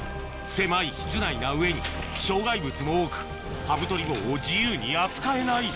狭い室内な上に障害物も多くハブ捕り棒を自由に扱えない